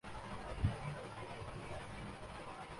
ساتھ میں بسکٹ اور کھا پ کا دوسرا سامان تھے